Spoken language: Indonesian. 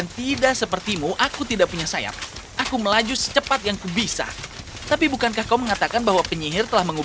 kita tidak punya waktu untuk minum